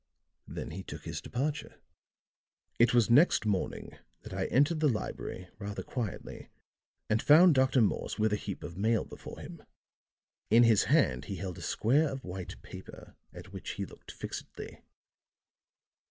Then he took his departure. "It was next morning that I entered the library rather quietly and found Dr. Morse with a heap of mail before him; in his hand he held a square of white paper at which he looked fixedly.